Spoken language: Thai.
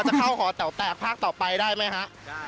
จะเข้าหอแต๋วแตกภาคต่อไปได้ไหมฮะ